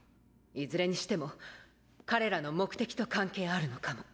いずれにしても彼らの目的と関係あるのかも。